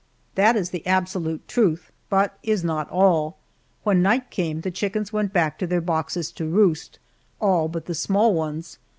That is the absolute truth, but is not all. When night came the chickens went back to their boxes to roost all but the small ones.